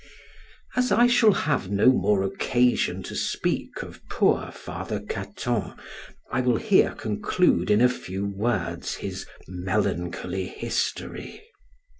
As I shall have no more occasion to speak of poor Father Cato, I will here conclude in a few words his melancholy history.